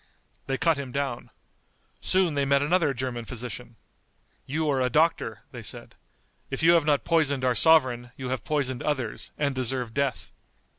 They cut him down. Soon they met another German physician. "You are a doctor," they said. "If you have not poisoned our sovereign you have poisoned others, and deserve death."